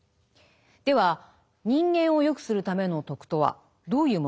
では人間を善くするための徳とはどういうものなのでしょうか？